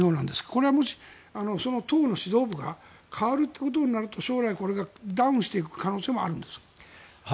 これはもし、党の指導部が代わるということになると将来、これがダウンしていく可能性もあるんですか？